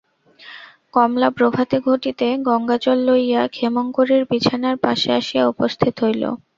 কমলা প্রভাতে ঘটিতে গঙ্গাজল লইয়া ক্ষেমংকরীর বিছানার পাশে আসিয়া উপস্থিত হইল।